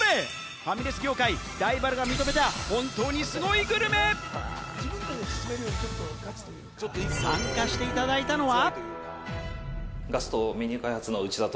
ファミレス業界、ライバルが認めた本当にすごいグルメ、参加していただいたのは。